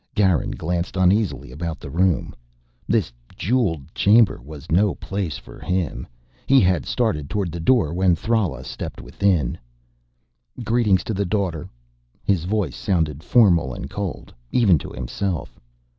Garin glanced uneasily about the room. This jeweled chamber was no place for him. He had started toward the door when Thrala stepped within. "Greetings to the Daughter." His voice sounded formal and cold, even to himself.